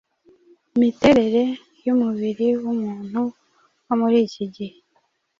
imiterere y'umubiri w'umuntu wo muri iki gihe